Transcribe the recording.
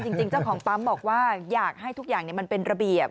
จริงเจ้าของปั๊มบอกว่าอยากให้ทุกอย่างมันเป็นระเบียบ